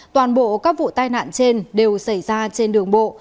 toàn bộ các vụ tai nạn trên đều xảy ra trên đường bộ